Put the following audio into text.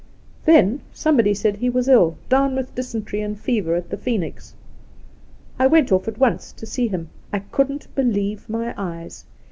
Then somebody said he was ill — down with dysen tery and fever at the Phoenix. I went oflf at once to see him. I couldn't believe my eyes.